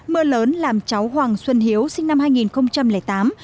mưa lớn làm cháu hoàng xuân hiếu sinh năm hai nghìn tám